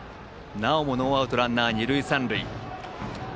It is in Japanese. ノーアウトランナー、二塁三塁。